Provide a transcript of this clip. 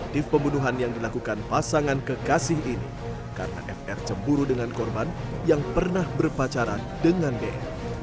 motif pembunuhan yang dilakukan pasangan kekasih ini karena fr cemburu dengan korban yang pernah berpacaran dengan d